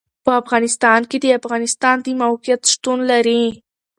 په افغانستان کې د افغانستان د موقعیت شتون لري.